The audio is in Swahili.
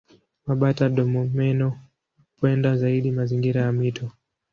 Mabata-domomeno hupenda zaidi mazingira ya mito.